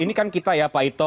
ini kan kita ya pak ito